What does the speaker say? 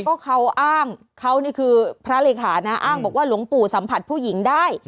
ก็เขาอ้างเขานี่คือพระเลขานะอ้างบอกว่าหลวงปู่สัมผัสผู้หญิงได้